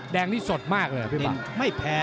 แดงนี่สดมากเลยฮะพี่ป๊า